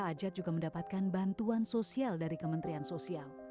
ajat juga mendapatkan bantuan sosial dari kementerian sosial